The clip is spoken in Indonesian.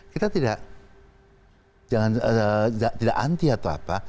kita tidak anti atau apa